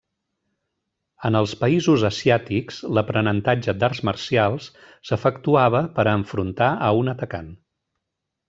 En els països asiàtics, l'aprenentatge d'arts marcials s'efectuava per a enfrontar a un atacant.